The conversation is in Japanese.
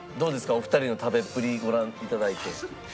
お二人の食べっぷりご覧頂いて。